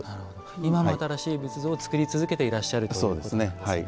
今も新しい仏像を造り続けていらっしゃるということなんですね。